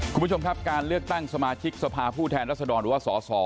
คุณผู้ชมครับการเลือกตั้งสมาชิกสภาผู้แทนรัศดรหรือว่าสส